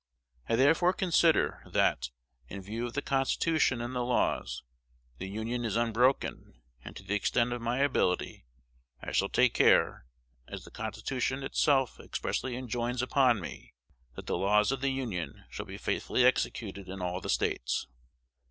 I therefore consider, that, in view of the Constitution and the laws, the Union is unbroken; and, to the extent of my ability, I shall take care, as the Constitution itself expressly enjoins upon me, that the laws of the Union shall be faithfully executed in all the States.